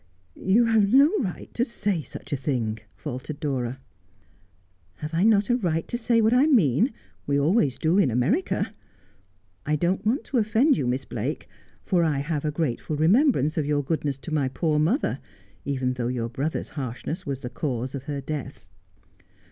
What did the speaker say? ' You have no right to say such a thing,' faltered Dora. ' Have I not a right to say what I mean 1 We always do in America. I don't want to offend you, Miss Blake, for I have a grateful remembrance of your goodness to my poor mother, even though your brother's harshness was the cause of her death.'